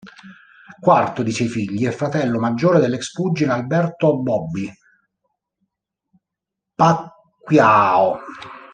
Quarto di sei figli, è fratello maggiore dell'ex pugile Alberto "Bobby" Pacquiao.